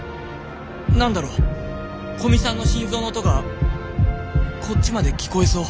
何だろ古見さんの心臓の音がこっちまで聞こえそう。